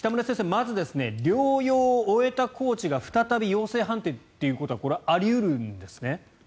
まず、療養を終えたコーチが再び陽性判定っていうことはあり得るんですね？